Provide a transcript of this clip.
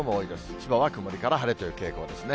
千葉は曇りから晴れという傾向ですね。